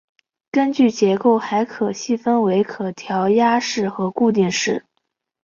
根据结构还可细分为可调压式和固定式。